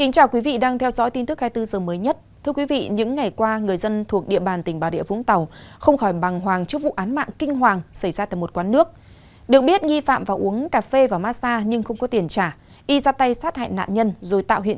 các bạn hãy đăng ký kênh để ủng hộ kênh của chúng mình nhé